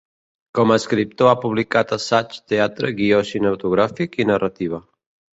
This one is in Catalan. Com a escriptor ha publicat assaig, teatre, guió cinematogràfic i narrativa.